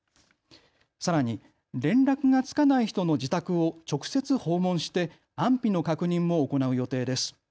さらに連絡がつかない人の自宅を直接訪問して安否の確認も行う予定です。